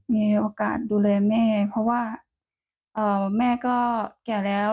มีโอกาสดูแลแม่เพราะว่าแม่ก็แก่แล้ว